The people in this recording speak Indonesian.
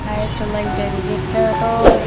saya cuma janji terus